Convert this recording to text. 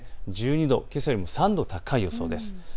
１２度、けさよりも３度高い予想です。